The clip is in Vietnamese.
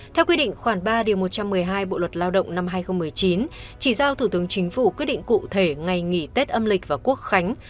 theo quy định khoảng ba một trăm một mươi hai bộ luật lao động năm hai nghìn một mươi chín chỉ giao thủ tướng chính phủ quyết định cụ thể ngày nghỉ tết âm lịch và quốc khánh